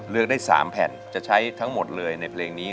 ได้๓แผ่นจะใช้ทั้งหมดเลยในเพลงนี้